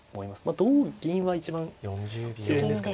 同銀は一番自然ですかね。